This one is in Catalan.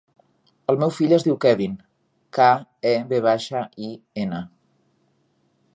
El meu fill es diu Kevin: ca, e, ve baixa, i, ena.